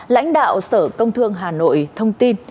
lãnh đạo sở công thương hà nội thông tin